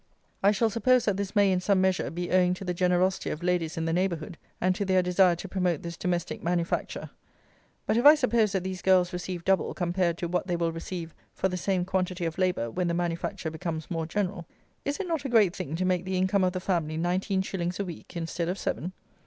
I shall suppose that this may in some measure be owing to the generosity of ladies in the neighbourhood, and to their desire to promote this domestic manufacture; but if I suppose that these girls receive double compared to what they will receive for the same quantity of labour when the manufacture becomes more general, is it not a great thing to make the income of the family nineteen shillings a week instead of seven?